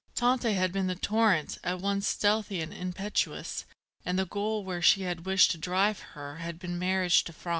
Tante had been the torrent, at once stealthy and impetuous, and the goal where she had wished to drive her had been marriage to Franz.